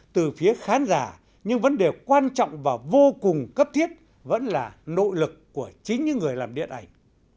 từ phía khán giả nhưng vấn đề quan trọng và vô cùng cấp thiết vẫn là nội lực của chính những người làm điện ảnh